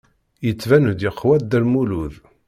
Yettban-d yeqwa Dda Lmulud.